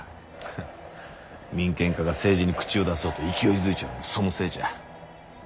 ハッ民権家が政治に口を出そうと勢いづいちょるんもそのせいじゃ。